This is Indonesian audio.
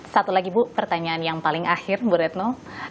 satu lagi bu pertanyaan yang paling akhir bu retno